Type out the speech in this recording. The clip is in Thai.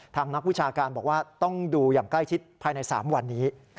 นักวิชาการบอกว่าต้องดูอย่างใกล้ชิดภายใน๓วันนี้